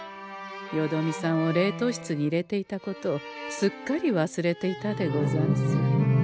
よどみさんを冷凍室に入れていたことをすっかり忘れていたでござんす。